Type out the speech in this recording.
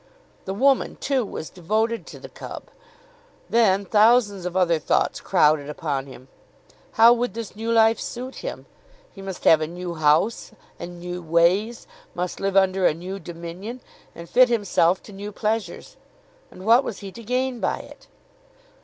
The woman, too, was devoted to the cub! Then thousands of other thoughts crowded upon him. How would this new life suit him? He must have a new house, and new ways; must live under a new dominion, and fit himself to new pleasures. And what was he to gain by it?